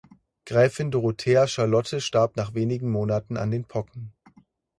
Gräfin Dorothea Charlotte starb nach wenigen Monaten an den Pocken.